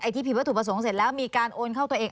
ที่ผิดวัตถุประสงค์เสร็จแล้วมีการโอนเข้าตัวเอง